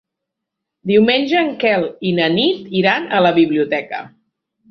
Diumenge en Quel i na Nit iran a la biblioteca.